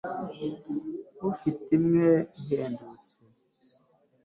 ufite imwe ihendutse